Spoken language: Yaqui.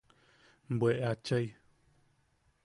¡Bwe achai!